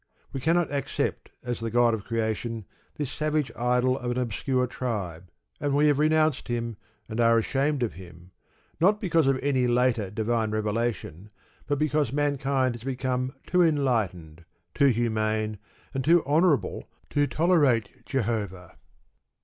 We cannot accept as the God of Creation this savage idol of an obscure tribe, and we have renounced Him, and are ashamed of Him, not because of any later divine revelation, but because mankind have become too enlightened, too humane, and too honourable to tolerate Jehovah.